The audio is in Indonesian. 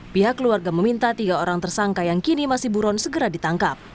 pihak keluarga meminta tiga orang tersangka yang kini masih buron segera ditangkap